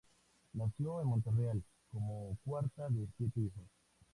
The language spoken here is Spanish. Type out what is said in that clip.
Nació en Montreal, como cuarta de siete hijos.